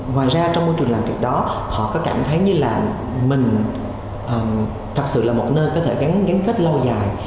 ngoài ra trong môi trường làm việc đó họ có cảm thấy như là mình thật sự là một nơi có thể gắn kết lâu dài